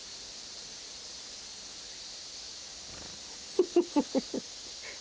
フフフフ！